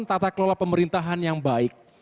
tata kelola pemerintahan yang baik